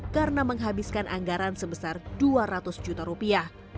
karena menghabiskan anggaran sebesar dua ratus juta rupiah